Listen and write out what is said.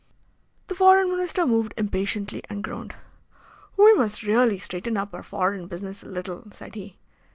The Foreign Minister moved impatiently and groaned. "We must really straighten up our foreign business a little," said he.